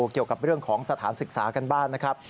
เกี่ยวกับเรื่องของสถานศึกษากันบ้านนะครับ